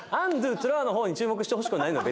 トロワのほうに注目してほしくないのよ